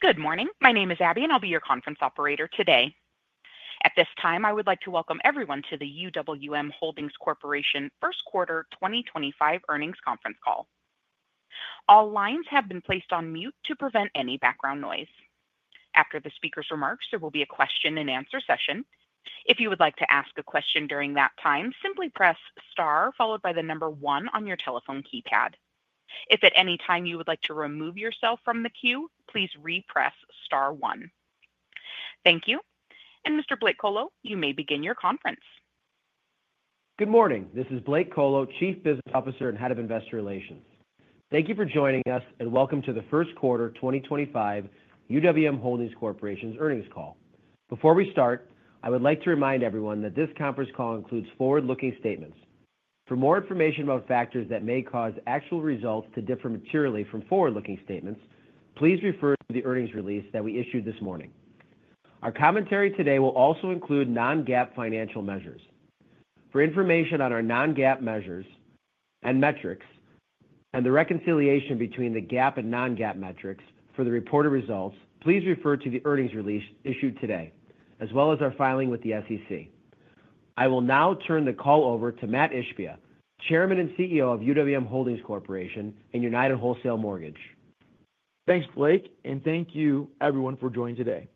Good morning. My name is Abby, and I'll be your conference operator today. At this time, I would like to welcome everyone to the UWM Holdings Corporation First Quarter 2025 Earnings Conference Call. All lines have been placed on mute to prevent any background noise. After the speaker's remarks, there will be a question-and-answer session. If you would like to ask a question during that time, simply press star followed by the number one on your telephone keypad. If at any time you would like to remove yourself from the queue, please repress star one. Thank you. Mr. Blake Kolo, you may begin your conference. Good morning. This is Blake Kolo, Chief Business Officer and Head of Investor Relations. Thank you for joining us, and welcome to the First Quarter 2025 UWM Holdings Corporation's Earnings Call. Before we start, I would like to remind everyone that this conference call includes forward-looking statements. For more information about factors that may cause actual results to differ materially from forward-looking statements, please refer to the earnings release that we issued this morning. Our commentary today will also include non-GAAP financial measures. For information on our non-GAAP measures and metrics, and the reconciliation between the GAAP and non-GAAP metrics for the reported results, please refer to the earnings release issued today, as well as our filing with the SEC. I will now turn the call over to Mat Ishbia, Chairman and CEO of UWM Holdings Corporation and United Wholesale Mortgage. Thanks, Blake, and thank you, everyone, for joining today.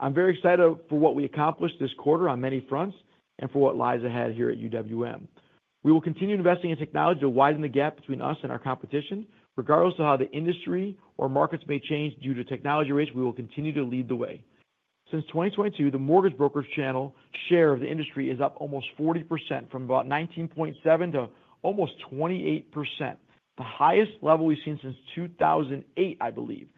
I'm very excited for what we accomplished this quarter on many fronts and for what lies ahead here at UWM. We will continue investing in technology to widen the gap between us and our competition. Regardless of how the industry or markets may change due to technology race, we will continue to lead the way. Since 2022, the mortgage brokers' channel share of the industry is up almost 40% from about 19.7% to almost 28%, the highest level we've seen since 2008, I believe.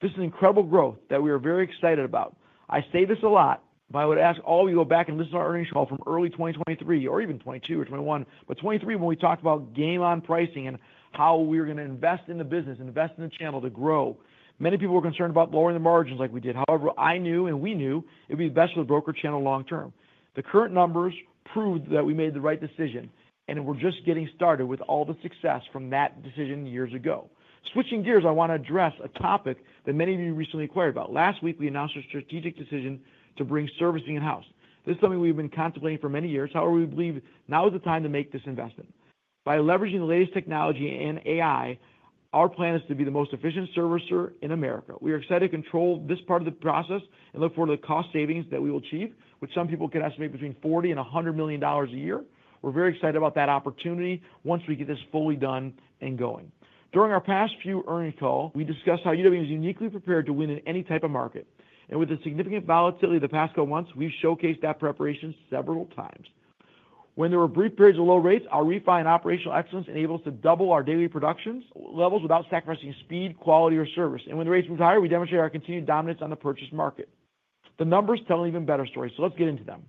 This is incredible growth that we are very excited about. I say this a lot, but I would ask all of you to go back and listen to our earnings call from early 2023, or even 2022 or 2021, but 2023 when we talked about game-on pricing and how we were going to invest in the business, invest in the channel to grow. Many people were concerned about lowering the margins like we did. However, I knew, and we knew, it would be best for the broker channel long-term. The current numbers prove that we made the right decision, and we're just getting started with all the success from that decision years ago. Switching gears, I want to address a topic that many of you recently inquired about. Last week, we announced a strategic decision to bring servicing in-house. This is something we've been contemplating for many years. However, we believe now is the time to make this investment. By leveraging the latest technology and AI, our plan is to be the most efficient servicer in America. We are excited to control this part of the process and look forward to the cost savings that we will achieve, which some people can estimate between $40 million and $100 million a year. We're very excited about that opportunity once we get this fully done and going. During our past few earnings calls, we discussed how UWM is uniquely prepared to win in any type of market. With the significant volatility of the past couple of months, we've showcased that preparation several times. When there were brief periods of low rates, our refund and operational excellence enabled us to double our daily production levels without sacrificing speed, quality, or service. When the rates were higher, we demonstrated our continued dominance on the purchase market. The numbers tell an even better story, so let's get into them.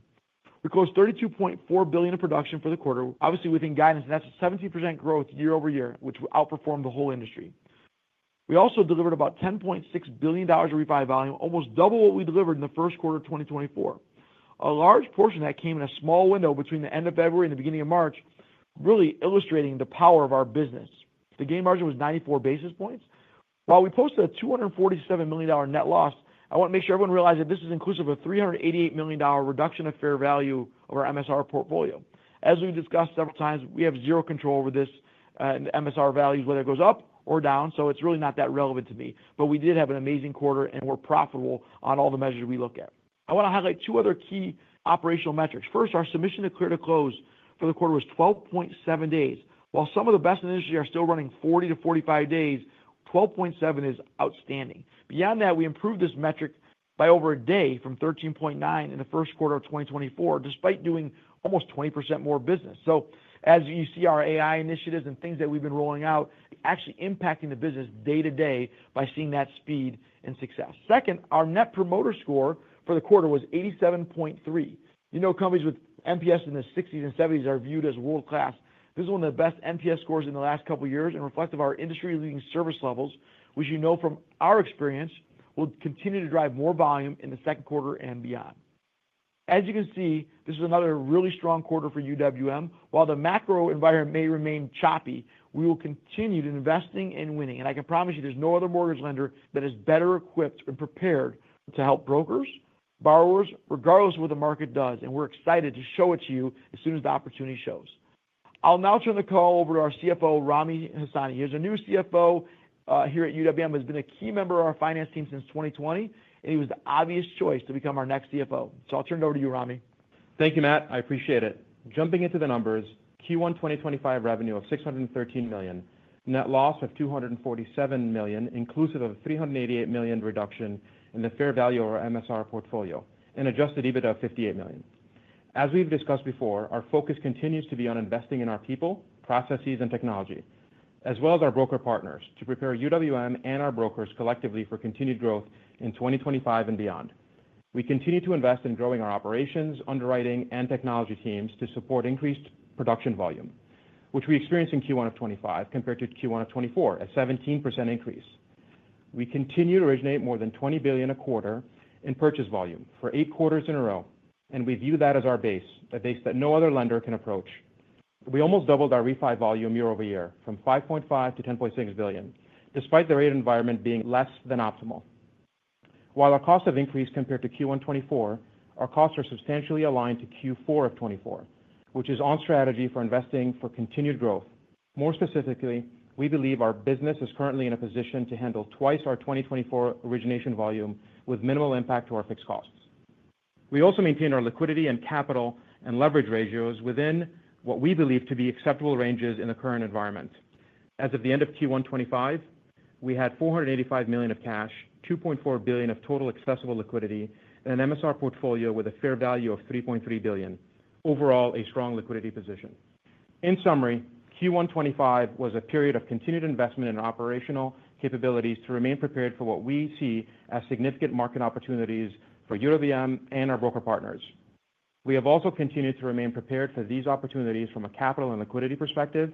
We closed $32.4 billion in production for the quarter, obviously within guidance, and that's a 17% growth year over year, which outperformed the whole industry. We also delivered about $10.6 billion in Refund volume, almost double what we delivered in the first quarter of 2024. A large portion of that came in a small window between the end of February and the beginning of March, really illustrating the power of our business. The gain margin was 94 basis points. While we posted a $247 million net loss, I want to make sure everyone realizes that this is inclusive of a $388 million reduction of fair value of our MSR portfolio. As we've discussed several times, we have zero control over this MSR value, whether it goes up or down, so it's really not that relevant to me. We did have an amazing quarter, and we're profitable on all the measures we look at. I want to highlight two other key operational metrics. First, our submission to clear to close for the quarter was 12.7 days. While some of the best in the industry are still running 40-45 days, 12.7 is outstanding. Beyond that, we improved this metric by over a day from 13.9 in the first quarter of 2024, despite doing almost 20% more business. As you see, our AI initiatives and things that we've been rolling out actually impacting the business day to day by seeing that speed and success. Second, our net promoter score for the quarter was 87.3. You know, companies with NPS in the 60s and 70s are viewed as world-class. This is one of the best NPS scores in the last couple of years and reflective of our industry-leading service levels, which you know from our experience will continue to drive more volume in the second quarter and beyond. As you can see, this is another really strong quarter for UWM. While the macro environment may remain choppy, we will continue to invest and win. I can promise you there is no other mortgage lender that is better equipped and prepared to help brokers, borrowers, regardless of what the market does. We are excited to show it to you as soon as the opportunity shows. I'll now turn the call over to our CFO, Rami Hasani. He is a new CFO here at UWM, has been a key member of our finance team since 2020, and he was the obvious choice to become our next CFO.I'll turn it over to you, Rami. Thank you, Mat. I appreciate it. Jumping into the numbers, Q1 2025 revenue of $613 million, net loss of $247 million, inclusive of a $388 million reduction in the fair value of our MSR portfolio, and adjusted EBITDA of $58 million. As we've discussed before, our focus continues to be on investing in our people, processes, and technology, as well as our broker partners to prepare UWM and our brokers collectively for continued growth in 2025 and beyond. We continue to invest in growing our operations, underwriting, and technology teams to support increased production volume, which we experienced in Q1 of 2025 compared to Q1 of 2024, a 17% increase. We continue to originate more than $20 billion a quarter in purchase volume for eight quarters in a row, and we view that as our base, a base that no other lender can approach. We almost doubled our Refund volume year over year from $5.5 billion to $10.6 billion, despite the rate environment being less than optimal. While our costs have increased compared to Q1 2024, our costs are substantially aligned to Q4 2024, which is on strategy for investing for continued growth. More specifically, we believe our business is currently in a position to handle twice our 2024 origination volume with minimal impact to our fixed costs. We also maintain our liquidity and capital and leverage ratios within what we believe to be acceptable ranges in the current environment. As of the end of Q1 2025, we had $485 million of cash, $2.4 billion of total accessible liquidity, and an MSR portfolio with a fair value of $3.3 billion. Overall, a strong liquidity position.In summary, Q1 2025 was a period of continued investment in operational capabilities to remain prepared for what we see as significant market opportunities for UWM and our broker partners. We have also continued to remain prepared for these opportunities from a capital and liquidity perspective,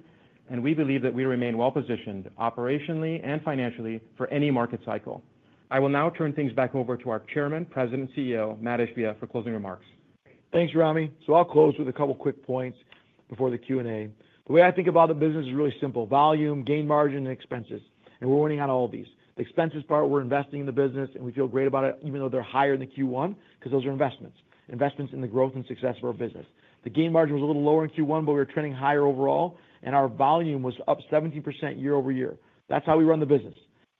and we believe that we remain well-positioned operationally and financially for any market cycle. I will now turn things back over to our Chairman, President, and CEO, Mat Ishbia, for closing remarks. Thanks, Rami. I'll close with a couple of quick points before the Q&A. The way I think about the business is really simple: volume, gain margin, and expenses. We're winning on all of these. The expenses part, we're investing in the business, and we feel great about it, even though they're higher in Q1, because those are investments, investments in the growth and success of our business. The gain margin was a little lower in Q1, but we were trending higher overall, and our volume was up 17% year over year. That's how we run the business.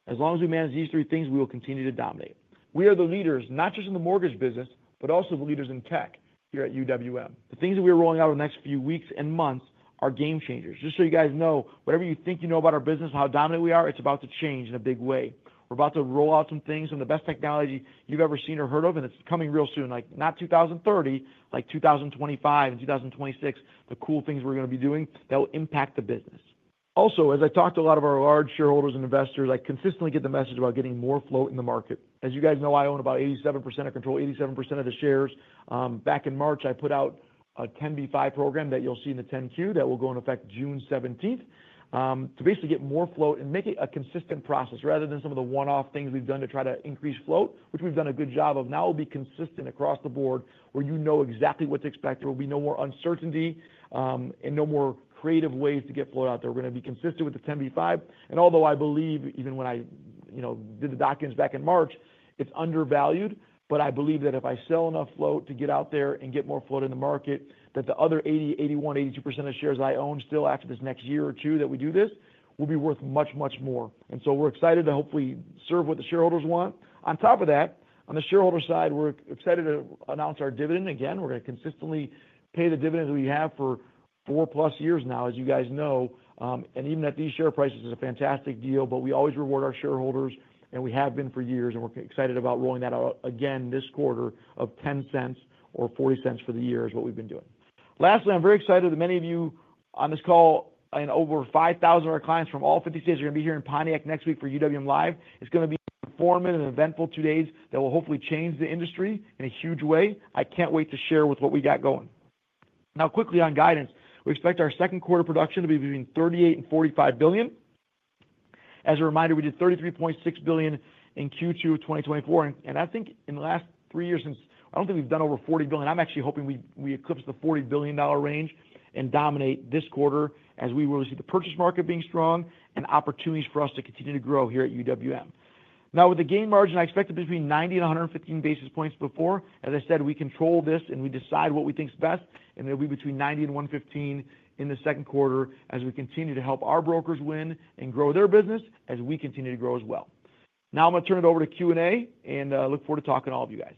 As long as we manage these three things, we will continue to dominate. We are the leaders, not just in the mortgage business, but also the leaders in tech here at UWM. The things that we are rolling out in the next few weeks and months are game changers. Just so you guys know, whatever you think you know about our business and how dominant we are, it's about to change in a big way. We're about to roll out some things from the best technology you've ever seen or heard of, and it's coming real soon, like not 2030, like 2025 and 2026, the cool things we're going to be doing that will impact the business. Also, as I talk to a lot of our large shareholders and investors, I consistently get the message about getting more float in the market. As you guys know, I own about 87% or control 87% of the shares. Back in March, I put out a 10b5-1 program that you'll see in the 10Q that will go into effect June 17th to basically get more float and make it a consistent process rather than some of the one-off things we've done to try to increase float, which we've done a good job of. Now we'll be consistent across the board where you know exactly what to expect. There will be no more uncertainty and no more creative ways to get float out there. We're going to be consistent with the 10b5-1.Although I believe, even when I did the documents back in March, it's undervalued, I believe that if I sell enough float to get out there and get more float in the market, the other 80%, 81%, 82% of shares I own still after this next year or two that we do this will be worth much, much more. We are excited to hopefully serve what the shareholders want. On top of that, on the shareholder side, we are excited to announce our dividend again. We are going to consistently pay the dividends we have for four-plus years now, as you guys know. Even at these share prices, it's a fantastic deal, but we always reward our shareholders, and we have been for years, and we are excited about rolling that out again this quarter of $0.10 or $0.40 for the year is what we have been doing. Lastly, I'm very excited that many of you on this call and over 5,000 of our clients from all 50 states are going to be here in Pontiac next week for UWM Live. It's going to be a performant and eventful two days that will hopefully change the industry in a huge way. I can't wait to share with you what we got going. Now, quickly on guidance, we expect our second quarter production to be between $38 billion and $45 billion. As a reminder, we did $33.6 billion in Q2 of 2024. I think in the last three years since, I don't think we've done over $40 billion. I'm actually hoping we eclipse the $40 billion range and dominate this quarter as we really see the purchase market being strong and opportunities for us to continue to grow here at UWM.Now, with the gain margin, I expect it to be between 90 and 115 basis points before. As I said, we control this and we decide what we think is best, and it'll be between 90 and 115 in the second quarter as we continue to help our brokers win and grow their business as we continue to grow as well. Now I'm going to turn it over to Q&A and look forward to talking to all of you guys.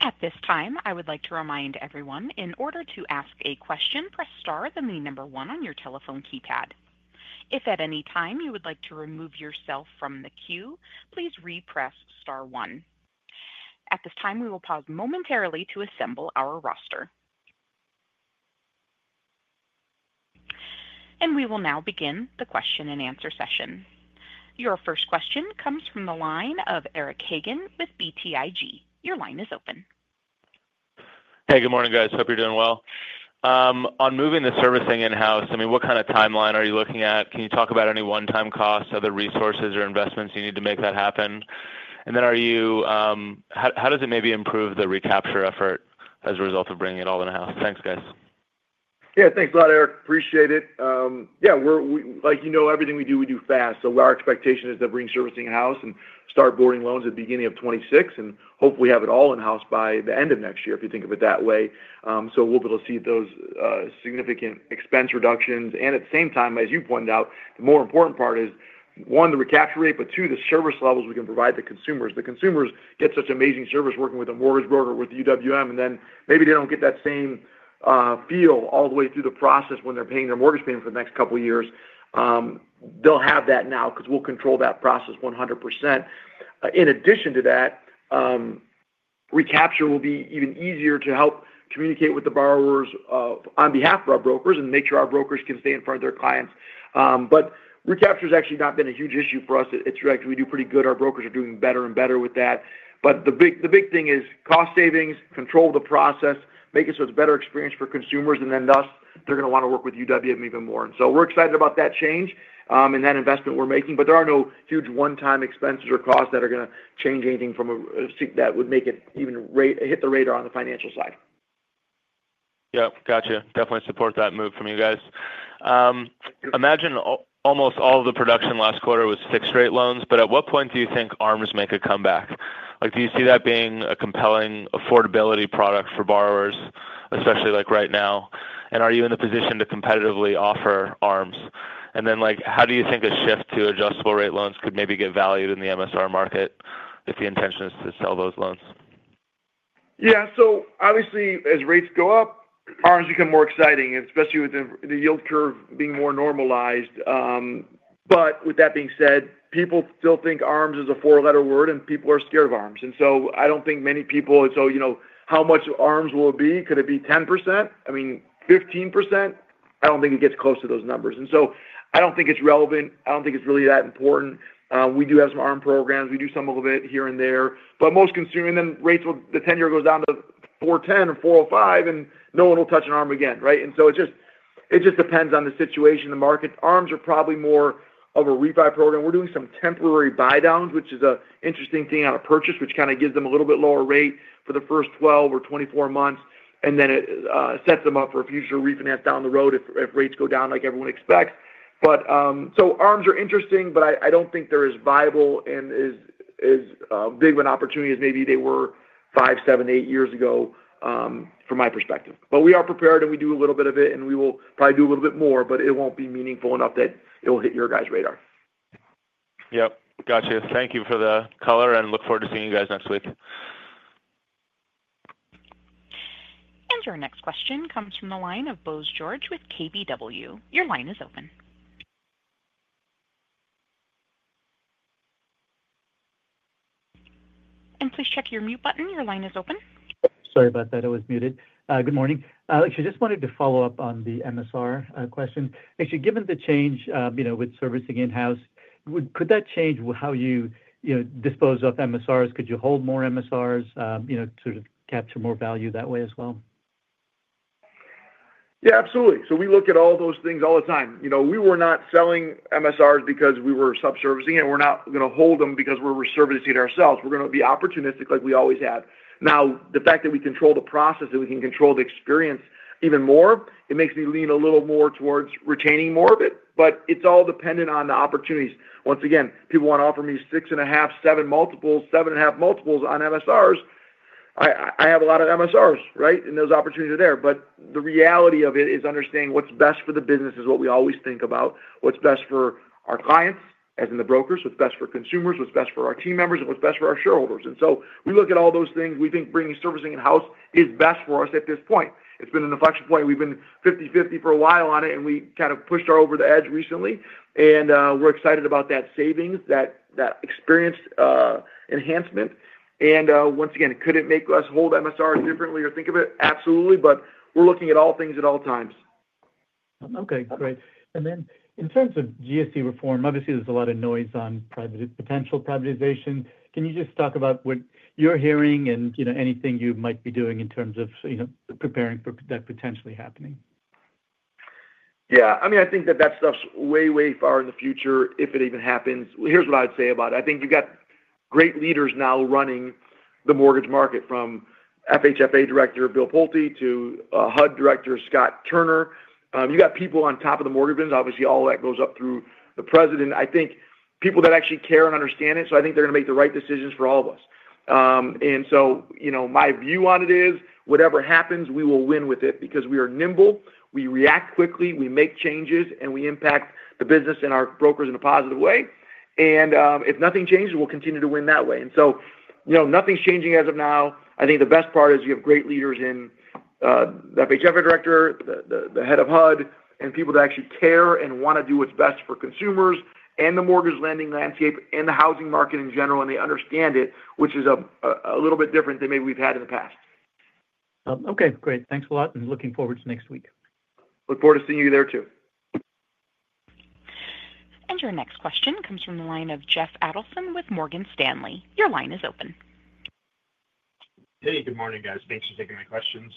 At this time, I would like to remind everyone, in order to ask a question, press star then the number one on your telephone keypad. If at any time you would like to remove yourself from the queue, please repress star one. At this time, we will pause momentarily to assemble our roster. We will now begin the question and answer session. Your first question comes from the line of Eric Hagen with BTIG. Your line is open. Hey, good morning, guys. Hope you're doing well. On moving the servicing in-house, I mean, what kind of timeline are you looking at? Can you talk about any one-time costs, other resources, or investments you need to make that happen? Are you, how does it maybe improve the recapture effort as a result of bringing it all in-house? Thanks, guys. Yeah, thanks a lot, Eric. Appreciate it. Yeah, like you know, everything we do, we do fast. Our expectation is to bring servicing in-house and start boarding loans at the beginning of 2026 and hopefully have it all in-house by the end of next year, if you think of it that way. We will be able to see those significant expense reductions. At the same time, as you pointed out, the more important part is, one, the recapture rate, but two, the service levels we can provide the consumers. The consumers get such amazing service working with a mortgage broker with UWM, and then maybe they do not get that same feel all the way through the process when they are paying their mortgage payment for the next couple of years. They will have that now because we will control that process 100%.In addition to that, recapture will be even easier to help communicate with the borrowers on behalf of our brokers and make sure our brokers can stay in front of their clients. Recapture has actually not been a huge issue for us. It's actually we do pretty good. Our brokers are doing better and better with that. The big thing is cost savings, control of the process, make it so it's a better experience for consumers, and then thus they're going to want to work with UWM even more. We are excited about that change and that investment we're making, but there are no huge one-time expenses or costs that are going to change anything that would make it even hit the radar on the financial side. Yep. Gotcha. Definitely support that move from you guys. Imagine almost all of the production last quarter was fixed rate loans, but at what point do you think ARMs make a comeback? Do you see that being a compelling affordability product for borrowers, especially right now? Are you in the position to competitively offer ARMs? How do you think a shift to adjustable rate loans could maybe get valued in the MSR market if the intention is to sell those loans? Yeah. Obviously, as rates go up, ARMs become more exciting, especially with the yield curve being more normalized. With that being said, people still think ARMs is a four-letter word, and people are scared of ARMs. I do not think many people, so how much ARMs will it be? Could it be 10%? I mean, 15%? I do not think it gets close to those numbers. I do not think it is relevant. I do not think it is really that important. We do have some ARM programs. We do some of it here and there. Most consumers, and then rates, the 10-year goes down to 4.10 or 4.05, and no one will touch an ARM again, right? It just depends on the situation, the market. ARMs are probably more of a refund program. We're doing some temporary buy-downs, which is an interesting thing on a purchase, which kind of gives them a little bit lower rate for the first 12 or 24 months, and then it sets them up for future refinance down the road if rates go down like everyone expects. ARMs are interesting, but I don't think they're as viable and as big of an opportunity as maybe they were five, seven, eight years ago from my perspective. We are prepared, and we do a little bit of it, and we will probably do a little bit more, but it won't be meaningful enough that it will hit your guys' radar. Yep. Gotcha. Thank you for the color, and look forward to seeing you guys next week. Your next question comes from the line of Bose George with KBW. Your line is open. Please check your mute button. Your line is open. Sorry about that. I was muted. Good morning. Actually, I just wanted to follow up on the MSR question. Actually, given the change with servicing in-house, could that change how you dispose of MSRs? Could you hold more MSRs to capture more value that way as well? Yeah, absolutely. We look at all those things all the time. We were not selling MSRs because we were sub-servicing it. We're not going to hold them because we're servicing it ourselves. We're going to be opportunistic like we always have. Now, the fact that we control the process and we can control the experience even more, it makes me lean a little more towards retaining more of it, but it's all dependent on the opportunities. Once again, people want to offer me six and a half, seven multiples, seven and a half multiples on MSRs. I have a lot of MSRs, right? Those opportunities are there. The reality of it is understanding what's best for the business is what we always think about. What's best for our clients, as in the brokers? What's best for consumers? What's best for our team members? What's best for our shareholders? We look at all those things. We think bringing servicing in-house is best for us at this point. It's been an inflection point. We've been 50/50 for a while on it, and we kind of pushed ourselves over the edge recently. We're excited about that savings, that experience enhancement. Once again, could it make us hold MSRs differently or think of it? Absolutely, but we're looking at all things at all times. Okay. Great. In terms of GSE reform, obviously, there's a lot of noise on potential privatization. Can you just talk about what you're hearing and anything you might be doing in terms of preparing for that potentially happening? Yeah. I mean, I think that that stuff's way, way far in the future if it even happens. Here's what I'd say about it. I think you've got great leaders now running the mortgage market, from FHFA Director Bill Pulte to HUD Director Scott Turner. You've got people on top of the mortgage business. Obviously, all that goes up through the president. I think people that actually care and understand it, so I think they're going to make the right decisions for all of us. My view on it is, whatever happens, we will win with it because we are nimble. We react quickly. We make changes, and we impact the business and our brokers in a positive way. If nothing changes, we'll continue to win that way. Nothing's changing as of now. I think the best part is you have great leaders in the FHFA Director, the head of HUD, and people that actually care and want to do what's best for consumers and the mortgage lending landscape and the housing market in general, and they understand it, which is a little bit different than maybe we've had in the past. Okay. Great. Thanks a lot, and looking forward to next week. Look forward to seeing you there too. Your next question comes from the line of Jeff Adelson with Morgan Stanley. Your line is open. Hey, good morning, guys. Thanks for taking my questions.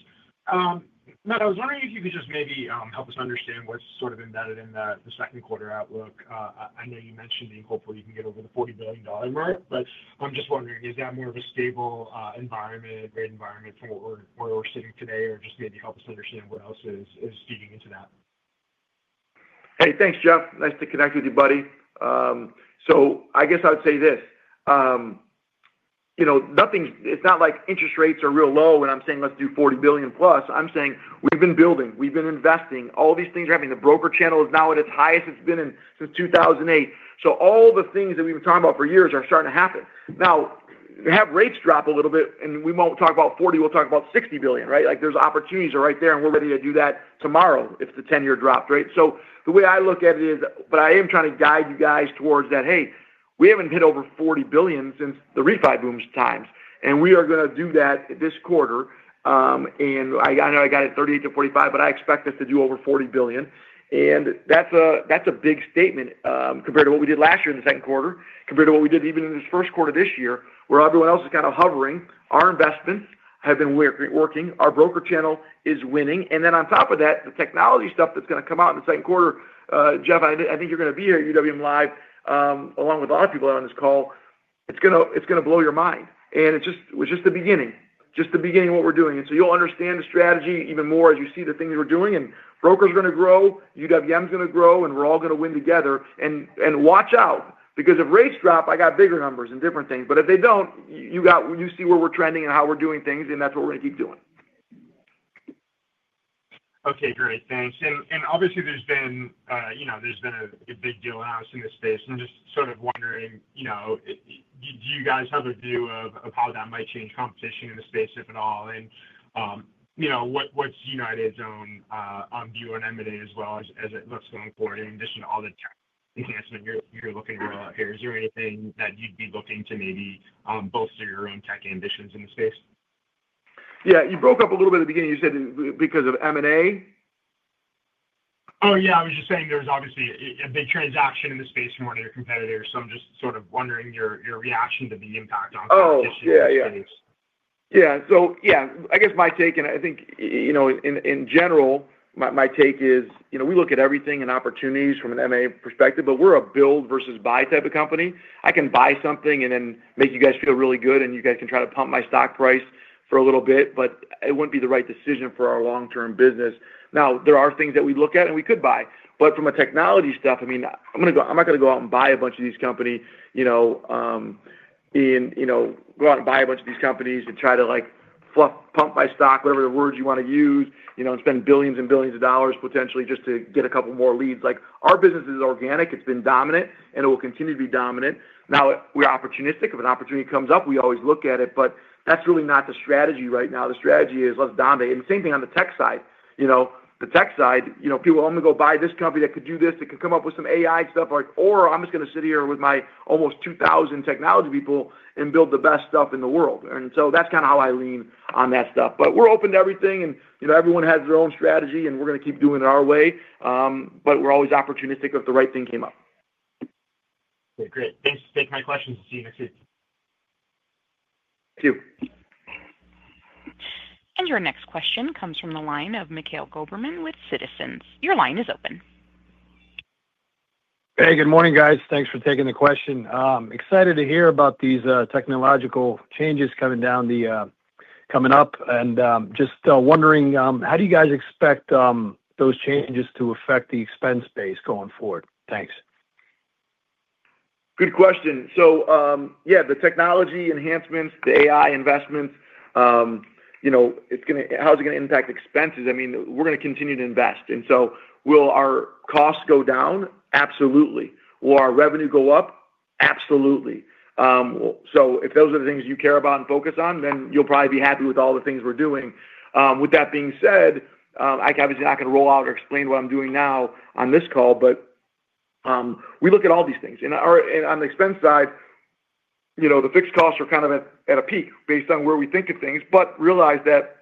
Matt, I was wondering if you could just maybe help us understand what's sort of embedded in the second quarter outlook. I know you mentioned being hopeful you can get over the $40 billion mark, but I'm just wondering, is that more of a stable environment, great environment from where we're sitting today, or just maybe help us understand what else is feeding into that? Hey, thanks, Jeff. Nice to connect with you, buddy. I guess I would say this. It's not like interest rates are real low and I'm saying, "Let's do $40 billion plus." I'm saying we've been building. We've been investing. All these things are happening. The broker channel is now at its highest. It's been since 2008. All the things that we've been talking about for years are starting to happen. Now, have rates drop a little bit, and we won't talk about $40 billion. We'll talk about $60 billion, right? There's opportunities right there, and we're ready to do that tomorrow if the 10-year dropped, right? The way I look at it is, I am trying to guide you guys towards that, "Hey, we haven't hit over $40 billion since the refund boom times, and we are going to do that this quarter." I know I got it $38-$45 billion, but I expect us to do over $40 billion. That is a big statement compared to what we did last year in the second quarter, compared to what we did even in this first quarter this year, where everyone else is kind of hovering. Our investments have been working. Our broker channel is winning. On top of that, the technology stuff that is going to come out in the second quarter, Jeff, I think you are going to be here at UWM Live along with a lot of people on this call. It is going to blow your mind.It was just the beginning, just the beginning of what we're doing. You will understand the strategy even more as you see the things we're doing. Brokers are going to grow. UWM is going to grow, and we're all going to win together. Watch out because if rates drop, I got bigger numbers and different things. If they do not, you see where we're trending and how we're doing things, and that's what we're going to keep doing. Okay. Great. Thanks. Obviously, there's been a big deal in-house in this space. I'm just sort of wondering, do you guys have a view of how that might change competition in the space, if at all? What's United's own view on M&A as well as what's going forward in addition to all the tech enhancement you're looking to roll out here? Is there anything that you'd be looking to maybe bolster your own tech ambitions in the space? Yeah. You broke up a little bit at the beginning. You said because of M&A? Oh, yeah. I was just saying there was obviously a big transaction in the space from one of your competitors. I'm just sort of wondering your reaction to the impact on competition in the space. Oh, Yeah. I guess my take, and I think in general, my take is we look at everything and opportunities from an M&A perspective, but we're a build versus buy type of company. I can buy something and then make you guys feel really good, and you guys can try to pump my stock price for a little bit, but it wouldn't be the right decision for our long-term business. Now, there are things that we look at and we could buy. From a technology stuff, I mean, I'm not going to go out and buy a bunch of these companies and try to pump my stock, whatever the words you want to use, and spend billions and billions of dollars potentially just to get a couple more leads. Our business is organic. It's been dominant, and it will continue to be dominant. Now, we're opportunistic. If an opportunity comes up, we always look at it, but that's really not the strategy right now. The strategy is let's dominate. Same thing on the tech side. The tech side, people want me to go buy this company that could do this, that could come up with some AI stuff, or I'm just going to sit here with my almost 2,000 technology people and build the best stuff in the world. That's kind of how I lean on that stuff. We're open to everything, and everyone has their own strategy, and we're going to keep doing it our way, but we're always opportunistic if the right thing came up. Okay. Great. Thanks for taking my questions. See you next week. You too. Your next question comes from the line of Mikhail Goberman with Citizens. Your line is open. Hey, good morning, guys. Thanks for taking the question. Excited to hear about these technological changes coming up and just wondering how do you guys expect those changes to affect the expense base going forward? Thanks. Good question. Yeah, the technology enhancements, the AI investments, how's it going to impact expenses? I mean, we're going to continue to invest. Will our costs go down? Absolutely. Will our revenue go up? Absolutely. If those are the things you care about and focus on, you'll probably be happy with all the things we're doing. That being said, I'm obviously not going to roll out or explain what I'm doing now on this call, but we look at all these things. On the expense side, the fixed costs are kind of at a peak based on where we think of things, but realize that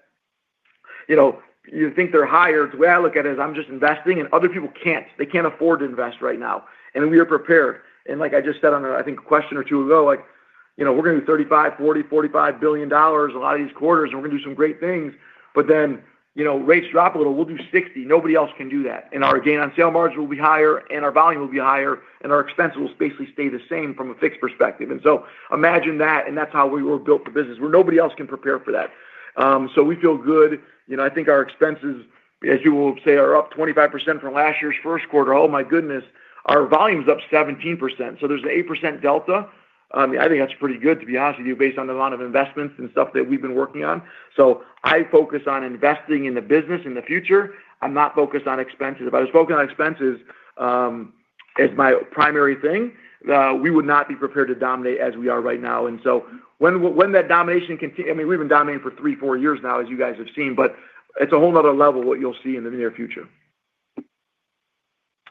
you think they're higher. The way I look at it is I'm just investing, and other people can't. They can't afford to invest right now. We are prepared. Like I just said on, I think, a question or two ago, we're going to do $35 billion-$40 billion-$45 billion a lot of these quarters, and we're going to do some great things. Then rates drop a little. We'll do $60 billion. Nobody else can do that. Our gain on sale margin will be higher, our volume will be higher, and our expenses will basically stay the same from a fixed perspective. Imagine that, and that's how we were built for business, where nobody else can prepare for that. We feel good. I think our expenses, as you will say, are up 25% from last year's first quarter. Oh my goodness, our volume is up 17%. There's an 8% delta.I think that's pretty good, to be honest with you, based on the amount of investments and stuff that we've been working on. I focus on investing in the business in the future. I'm not focused on expenses. If I was focused on expenses as my primary thing, we would not be prepared to dominate as we are right now. When that domination continues, I mean, we've been dominating for three, four years now, as you guys have seen, but it's a whole nother level what you'll see in the near future.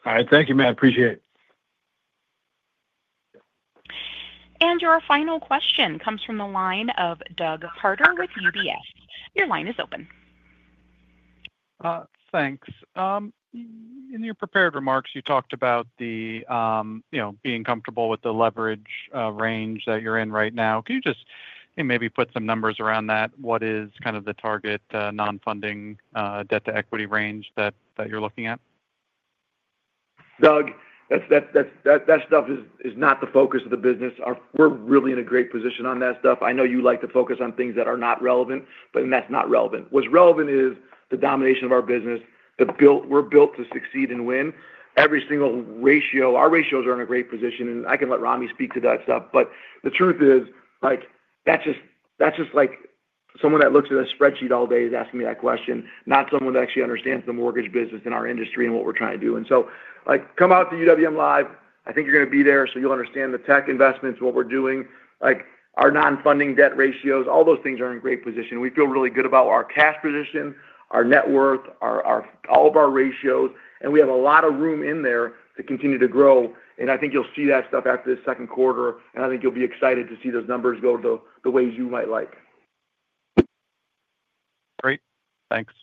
All right. Thank you, Mat. Appreciate it. Your final question comes from the line of Doug Harter with UBS. Your line is open. Thanks. In your prepared remarks, you talked about being comfortable with the leverage range that you're in right now. Can you just maybe put some numbers around that? What is kind of the target non-funding debt to equity range that you're looking at? Doug, that stuff is not the focus of the business. We're really in a great position on that stuff. I know you like to focus on things that are not relevant, but that's not relevant. What's relevant is the domination of our business. We're built to succeed and win. Every single ratio, our ratios are in a great position, and I can let Rami speak to that stuff. The truth is, that's just like someone that looks at a spreadsheet all day is asking me that question, not someone that actually understands the mortgage business and our industry and what we're trying to do. Come out to UWM Live. I think you're going to be there, so you'll understand the tech investments, what we're doing, our non-funding debt ratios. All those things are in great position. We feel really good about our cash position, our net worth, all of our ratios, and we have a lot of room in there to continue to grow. I think you'll see that stuff after the second quarter, and I think you'll be excited to see those numbers go the ways you might like. Great. Thanks.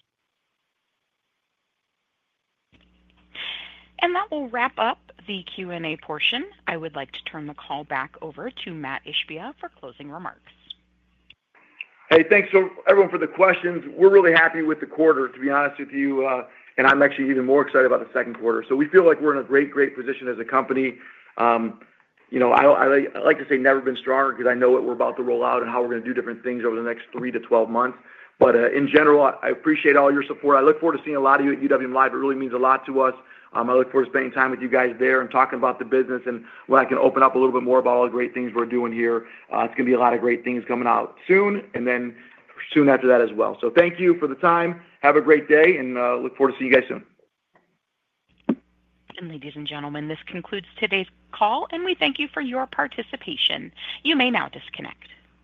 That will wrap up the Q&A portion. I would like to turn the call back over to Mat Ishbia for closing remarks. Hey, thanks to everyone for the questions. We're really happy with the quarter, to be honest with you, and I'm actually even more excited about the second quarter. We feel like we're in a great, great position as a company. I like to say never been stronger because I know what we're about to roll out and how we're going to do different things over the next 3 - 12 months. In general, I appreciate all your support. I look forward to seeing a lot of you at UWM Live. It really means a lot to us. I look forward to spending time with you guys there and talking about the business and where I can open up a little bit more about all the great things we're doing here. It's going to be a lot of great things coming out soon and then soon after that as well. Thank you for the time. Have a great day, and I look forward to seeing you guys soon. Ladies and gentlemen, this concludes today's call, and we thank you for your participation. You may now disconnect.